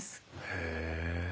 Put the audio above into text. へえ。